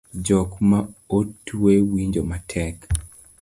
Jok ma otwe winjo matek